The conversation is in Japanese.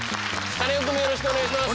カネオくんもよろしくお願いします。